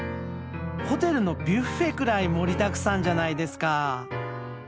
ホテルのビュッフェくらい盛りだくさんじゃないですか。